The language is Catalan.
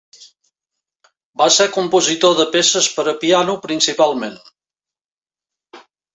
Va ser compositor de peces per a piano, principalment.